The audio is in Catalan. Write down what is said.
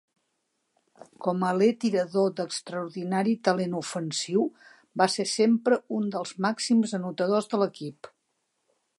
Com aler tirador d'extraordinari talent ofensiu, va ser sempre un dels màxims anotadors de l'equip.